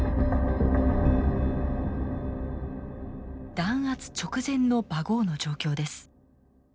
弾圧直前のバゴーの状況です。